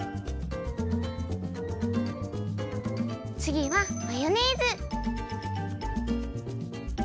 つぎはマヨネーズ。